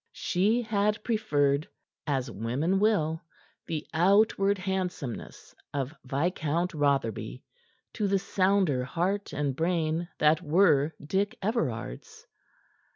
She had preferred as women will the outward handsomeness of Viscount Rotherby to the sounder heart and brain that were Dick Everard's.